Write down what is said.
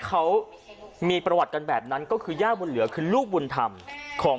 เขามีประวัติกันแบบนั้นก็คือย่าบุญเหลือคือลูกบุญธรรมของ